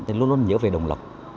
thì luôn luôn nhớ về đồng lộc